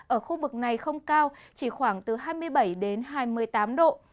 ở khu vực này không cao chỉ khoảng từ hai mươi bảy đến hai mươi tám độ